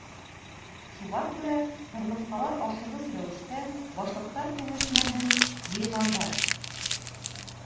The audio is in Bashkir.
Шуға күрә ҡырмыҫҡалар ашығыс рәүештә башлыҡтар кәңәшмәһен йыйғандар.